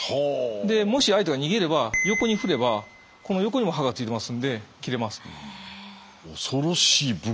でもし相手が逃げれば横に振ればこの横にも刃がついてますんで切れます。